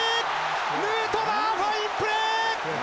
ヌートバーファインプレー！